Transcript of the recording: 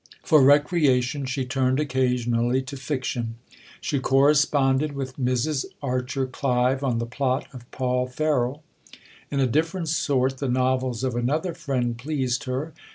For recreation, she turned occasionally to fiction. She corresponded with Mrs. Archer Clive on the plot of Paul Ferroll. In a different sort, the novels of another friend pleased her.